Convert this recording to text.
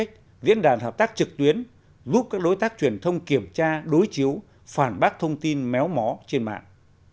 các đối tác truyền thông kiểm tra đối chiếu phản bác thông tin méo mó trên mạng